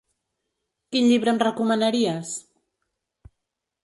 Quin llibre em recomanaries?